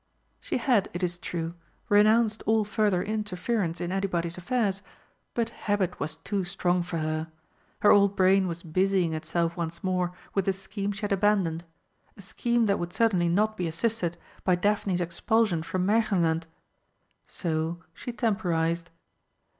She had, it is true, renounced all further interference in anybody's affairs, but habit was too strong for her. Her old brain was busying itself once more with the scheme she had abandoned a scheme that would certainly not be assisted by Daphne's expulsion from Märchenland. So she temporised.